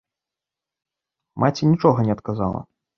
Маці нічога не адказала.